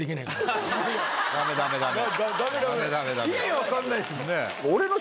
意味が分かんないですもんね。